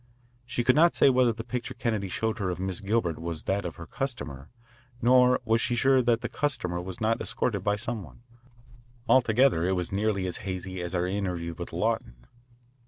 She could not say whether the picture Kennedy showed her of Miss Gilbert was that of her customer, nor was she sure that the customer was not escorted by some one. Altogether it was nearly as hazy as our interview with Lawton.